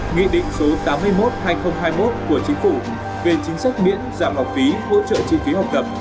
nghị định số tám mươi một hai nghìn hai mươi một của chính phủ về chính sách miễn giảm học phí hỗ trợ chi phí học tập